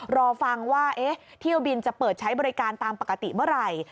รอฟังว่าเที่ยวบินจะเปิดใช้บริการตามปกติเมื่อไหร่